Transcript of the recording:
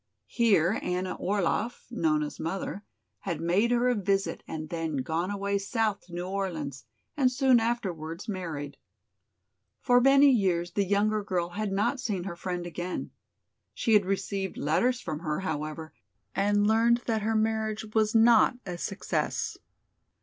Here Anna Orlaff, Nona's mother, had made her a visit and had then gone away south to New Orleans and soon afterwards married. For many years the younger girl had not seen her friend again. She had received letters from her, however, and learned that her marriage was not a success.